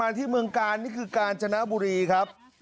ที่เมืองกาลนี่คือกาญจนบุรีครับ